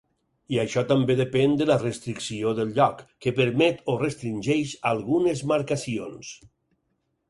I això també depèn de la restricció del lloc, que permet o restringeix algunes marcacions.